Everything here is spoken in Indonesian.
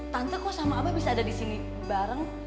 tante kok sama abah bisa ada disini bareng